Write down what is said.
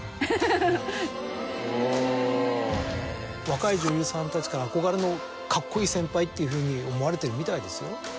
若い女優さんたちから憧れのカッコいい先輩っていうふうに思われているみたいですよ。